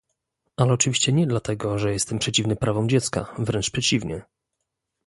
Ale oczywiście nie dlatego, że jestem przeciwny prawom dziecka - wręcz przeciwnie